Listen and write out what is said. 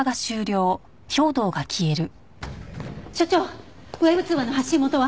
所長Ｗｅｂ通話の発信元は？